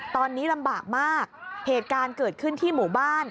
ตอนนี้ลำบากมากเหตุการณ์เกิดขึ้นที่หมู่บ้าน